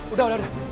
udah udah udah